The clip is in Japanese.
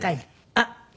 あっ。